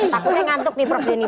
takutnya ngantuk nih prof denny